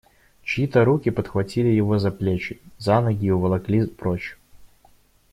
Чьи-то руки подхватили его за плечи, за ноги и уволокли прочь.